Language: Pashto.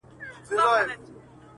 زه دي په دعا کي یادومه نور,